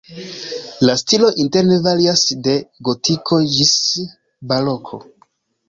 La stiloj interne varias de gotiko ĝis baroko.